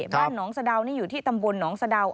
บ้านหนองสะดาวนี่อยู่ที่ตำบลหนองสะดาว